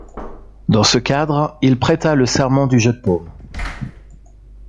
Dans ce cadre, il prêta le serment du Jeu de paume.